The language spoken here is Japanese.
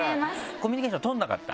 コミュニケーション取らなかった？